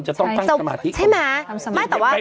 จะต้องตั้งสมาธิใช่ไหมทำสมาธิ